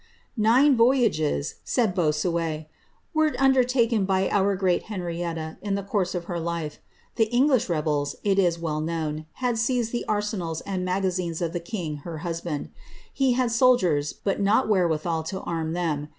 Nine voyages, said Br>»siiot, *' were undortakeii by our great Henrietta in the course of bcr life. The English reboU, it is well known, had seized the arsenals and magazines of the kin;;, her huslmnd. He had soldiers, but not wherewithal to arm tliem.